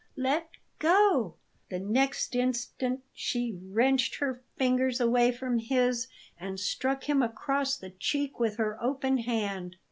Let go!" The next instant she wrenched her fingers away from his, and struck him across the cheek with her open hand.